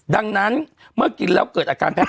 ดังนั้นเมื่อกินแล้วเกิดอาการแพ้